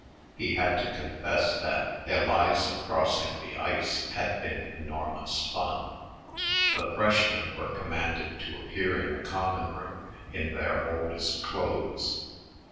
He had to confess that "Eliza Crossing the Ice" had been enormous fun. The freshmen were commanded to appear in the common room in their oldest clothes.